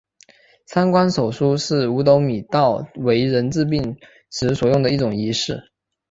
三官手书是五斗米道为人治病时所用的一种仪式。